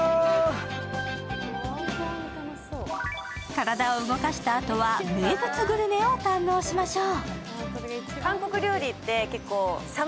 体を動かしたあとは名物グルメを堪能しましょう。